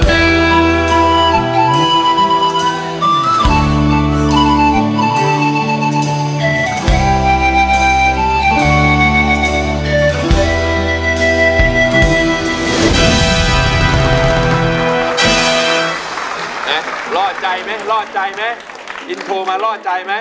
รอดใจไหมรอดใจไหมอินโทรมารอดใจไหม